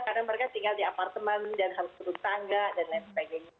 karena mereka tinggal di apartemen dan harus berutangga dan lain sebagainya